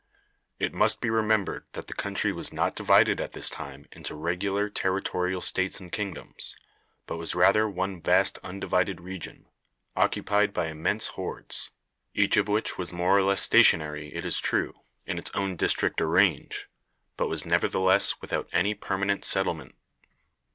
It must be remembered that the country was not divided at this time into regular territorial states and kingdoms, but was rather one vast undivided region, occupied by immense hordes, each of which was more or less stationary, it is true, in its own district or range, but was nevertheless without any permanent settlement.